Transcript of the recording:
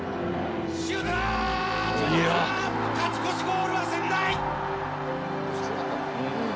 勝ち越しゴールは仙台！